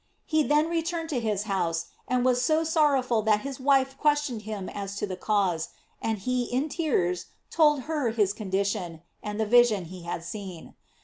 He then returned to his house, and was so sorrowful that his wife questioned him as to the cause, and he in tears told her his condition, and the vision he had seen.